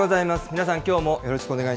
皆さん、きょうもよろしくお願い